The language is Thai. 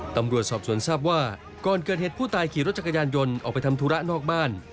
ตำรวจสอบสวนทราบว่าก่อนเกิดเหตุผู้ตายขี่รถจักรยานยนต์ออกไปทำธุระนอกบ้าน